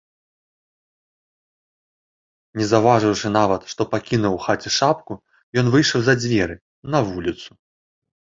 Не заўважыўшы нават, што пакінуў у хаце шапку, ён выйшаў за дзверы, на вуліцу.